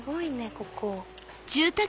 ここ。